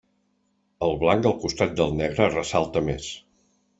El blanc al costat del negre ressalta més.